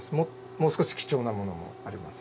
もう少し貴重なものもあります。